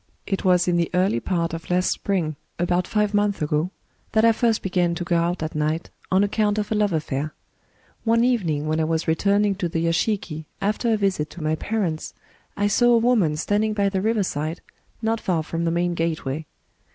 "It was in the early part of last spring — about five months ago — that I first began to go out at night, on account of a love affiiir. One even ing, when I was returning to the yashiki after a visit to my parents, I saw a woman standing by the riverside, not far from the main gateway.